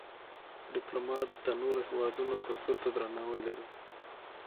ډيپلومات د نورو هېوادونو کلتور ته درناوی لري.